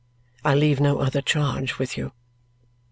I leave no other charge with you."